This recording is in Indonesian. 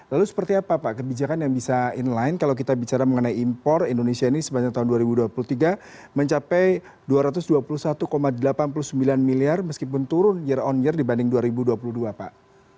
lalu seperti apa pak kebijakan yang bisa inline kalau kita bicara mengenai impor indonesia ini sepanjang tahun dua ribu dua puluh tiga mencapai dua ratus dua puluh satu delapan puluh sembilan miliar meskipun turun year on year dibanding dua ribu dua puluh dua pak